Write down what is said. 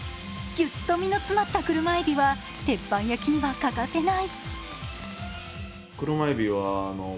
ぎゅっと身の詰まった車えびは鉄板焼きには欠かせない。